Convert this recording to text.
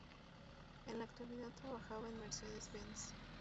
En la actualidad trabaja en Mercedes-Benz.